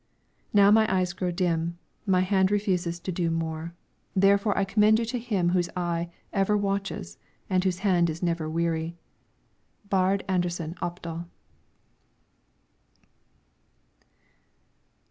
Now my eyes grow dim, my hand refuses to do more. Therefore I commend you to Him whose eye ever watches, and whose hand is never weary. BAARD ANDERSEN OPDAL.